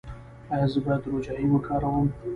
ایا زه باید روجايي وکاروم؟